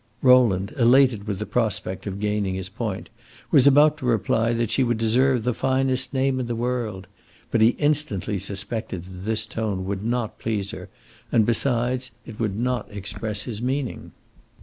Rowland, elated with the prospect of gaining his point, was about to reply that she would deserve the finest name in the world; but he instantly suspected that this tone would not please her, and, besides, it would not express his meaning.